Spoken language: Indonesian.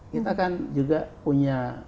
kita kan juga punya